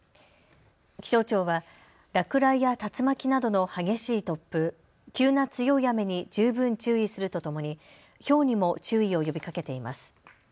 気象庁は落雷や竜巻などの激しい突風、急な強い雨に十分注意するとともにひょうにも注意を呼びかけています。